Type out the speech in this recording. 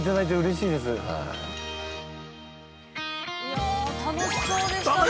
◆いや、楽しそうでしたね。